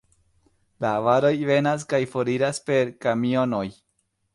La varoj venas kaj foriras per kamionoj.